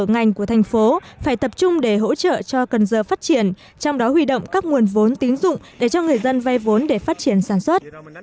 ngành của thành phố phải tập trung để hỗ trợ cho cần giờ phát triển trong đó huy động các nguồn vốn tín dụng để cho người dân vay vốn để phát triển sản xuất